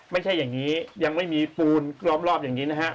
ไม่ใช่อย่างนี้ยังไม่มีปูนล้อมรอบอย่างนี้นะฮะ